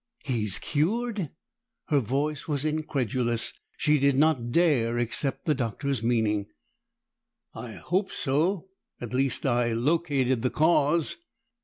"He's cured?" Her voice was incredulous; she did not dare accept the Doctor's meaning. "I hope so. At least I located the cause."